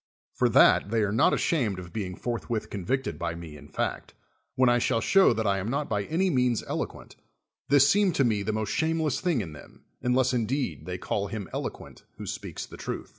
For that they are not ashamed of being forthwith convicted by me in fact, when I shall show that I am not by any means elo rjuent, this seemed to me the most shameless thing in them, unless indeed they call him elo quent who speaks the truth.